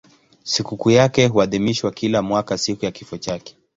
Sikukuu yake huadhimishwa kila mwaka siku ya kifo chake.